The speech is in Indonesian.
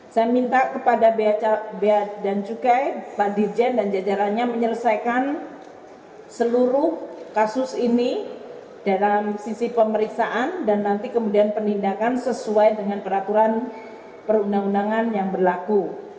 saya minta kepada biaya dan cukai pak dirjen dan jajarannya menyelesaikan seluruh kasus ini dalam sisi pemeriksaan dan nanti kemudian penindakan sesuai dengan peraturan perundang undangan yang berlaku